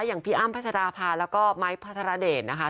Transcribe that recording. อย่างพี่อ้ำพัชฎาภาและวี๊ปพัศรเดรดนะคะ